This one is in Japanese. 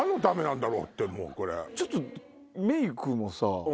ちょっとメイクもさ。